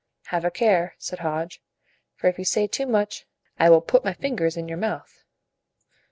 "Have a care," said Hodge; "for if you say too much, I will put my fingers in your mouth."